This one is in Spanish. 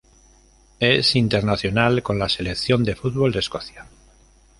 Es internacional con la Selección de fútbol de Escocia.